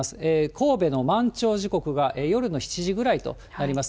神戸の満潮時刻が夜の７時ぐらいとなります。